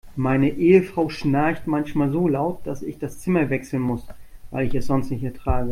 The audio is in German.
Meine Ehefrau schnarcht manchmal so laut, dass ich das Zimmer wechseln muss, weil ich es sonst nicht ertrage.